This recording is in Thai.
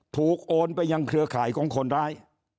โอนไปยังเครือข่ายของคนร้าย